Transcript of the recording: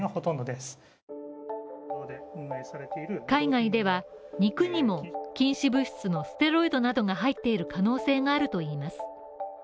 海外では肉にも禁止物質のステロイドなどが入っている可能性があるといいます。